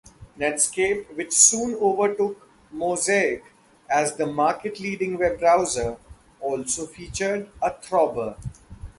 Netscape, which soon overtook Mosaic as the market-leading web browser, also featured a throbber.